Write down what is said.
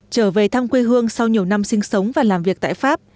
trở về thăm quê hương sau nhiều năm sinh sống và làm việc tại pháp